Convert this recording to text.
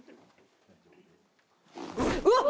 うわっ！